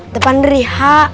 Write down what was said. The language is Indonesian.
depan dari h